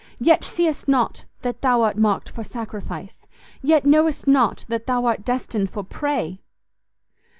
yet seest not that thou art marked for sacrifice! yet knowest not that thou art destined for prey!"